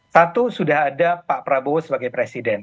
satu sudah ada pak prabowo sebagai presiden